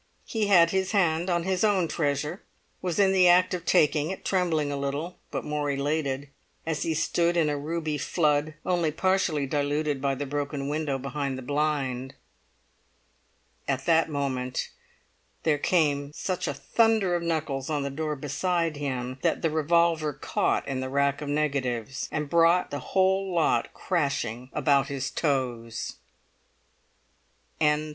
He had his hand on his own treasure, was in the act of taking it, trembling a little, but more elated, as he stood in a ruby flood only partially diluted by the broken window behind the blind. At that moment there came such a thunder of knuckles on the door beside him that the revolver caught in the rack of negatives, and brought the whole lot crashing about his toes. CHAPTER XVII.